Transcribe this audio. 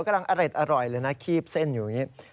อร่อยเลยนะคีบเส้นอยู่อย่างนี้